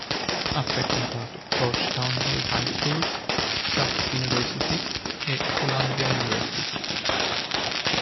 Ha frequentato Georgetown Day High School, Tufts University, e Columbia University.